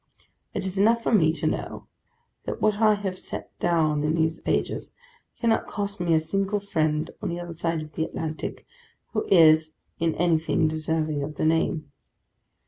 It is enough for me, to know, that what I have set down in these pages, cannot cost me a single friend on the other side of the Atlantic, who is, in anything, deserving of the name.